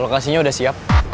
lokasinya udah siap